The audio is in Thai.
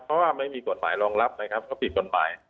เพราะว่าไม่มีกฎหมายรองรับนะครับเขาผิดกฎหมาย